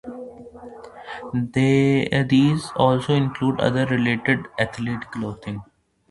These also include other related athletic clothing.